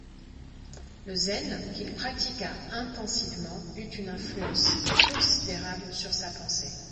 Le zen, qu'il pratiqua intensivement, eut une influence considérable sur sa pensée.